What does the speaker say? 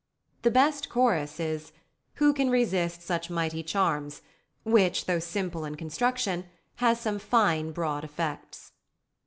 The best chorus is "Who can resist such mighty charms?", which, though simple in construction, has some fine broad effects.